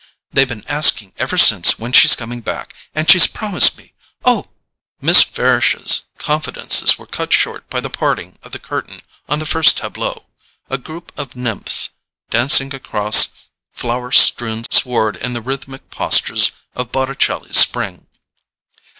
They've been asking ever since when she's coming back; and she's promised me——oh!" Miss Farish's confidences were cut short by the parting of the curtain on the first TABLEAU—a group of nymphs dancing across flower strewn sward in the rhythmic postures of Botticelli's Spring.